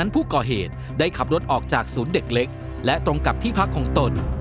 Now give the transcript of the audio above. ผู้ก่อเหตุได้ขับรถออกจากศูนย์เด็กเล็กและตรงกับที่พักของตน